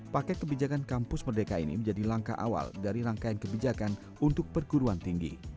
paket kebijakan kampus merdeka ini menjadi langkah awal dari rangkaian kebijakan untuk perguruan tinggi